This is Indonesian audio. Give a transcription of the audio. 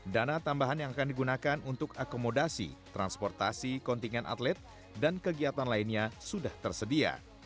dana tambahan yang akan digunakan untuk akomodasi transportasi kontingen atlet dan kegiatan lainnya sudah tersedia